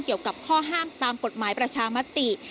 เกี่ยวกับข้อห้ามตามกฎหมายประชามติ